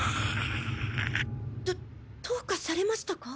どどうかされましたか？